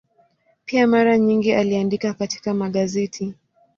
Pia mara nyingi aliandika katika magazeti.